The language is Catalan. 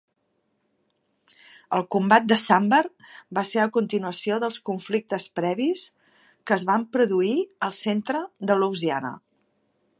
El combat de Sandbar van ser a continuació dels conflictes previs que es van produir al centre de Louisiana.